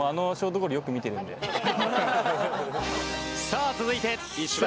さあ続いて石橋